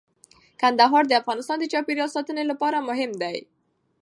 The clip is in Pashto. کندهار د افغانستان د چاپیریال ساتنې لپاره مهم دی.